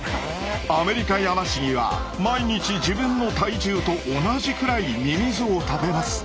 アメリカヤマシギは毎日自分の体重と同じくらいミミズを食べます。